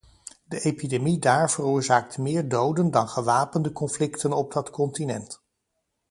De epidemie daar veroorzaakt meer doden dan gewapende conflicten op dat continent.